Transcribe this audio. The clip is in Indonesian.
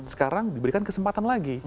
sekarang diberikan kesempatan lagi